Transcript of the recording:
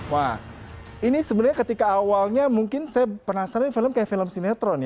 wah ini sebenarnya ketika awalnya mungkin saya penasaran film kayak film sinetron